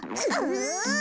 うん。